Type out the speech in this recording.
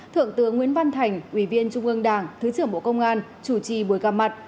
thượng tướng nguyễn văn thành ủy viên trung ương đảng thứ trưởng bộ công an chủ trì buổi gặp mặt